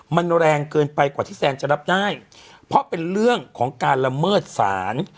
มันแรงเกินไปกว่าที่แซนจะรับได้เพราะเป็นเรื่องของการละเมิดศาล